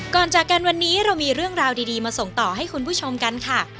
จากกันวันนี้เรามีเรื่องราวดีมาส่งต่อให้คุณผู้ชมกันค่ะ